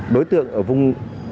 đối tượng ở vùng